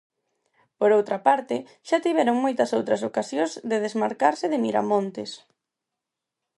Por outra parte, xa tiveron moitas outras ocasións de desmarcarse de Miramontes.